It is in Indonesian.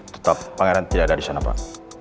tetap pangeran tidak ada di sana pak